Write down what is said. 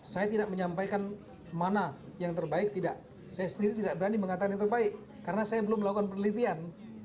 saya tidak menyampaikan mana yang terbaik tidak saya sendiri tidak berani mengatakan yang terbaik karena saya belum melakukan penelitian